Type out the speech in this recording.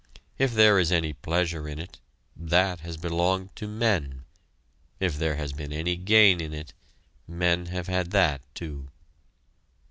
If there is any pleasure in it that has belonged to men; if there has been any gain in it, men have had that, too.